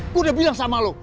gua udah bilang sama lu